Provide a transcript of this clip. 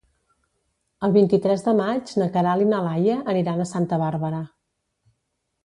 El vint-i-tres de maig na Queralt i na Laia aniran a Santa Bàrbara.